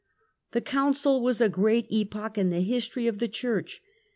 The Council was a great epoch in the history of the Church.